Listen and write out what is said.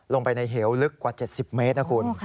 ลงไปในเหวลึกกว่า๗๐เมตรนะคุณ